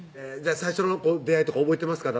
最初の出会いとか覚えてますか？